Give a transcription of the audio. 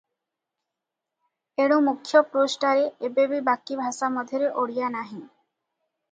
ଏଣୁ ମୁଖ୍ୟ ପୃଷ୍ଠାରେ ଏବେ ବି ବାକି ଭାଷା ମଧ୍ୟରେ ଓଡ଼ିଆ ନାହିଁ ।